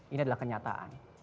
ini adalah kenyataan